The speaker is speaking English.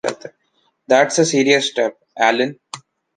That’s a serious step, Alan!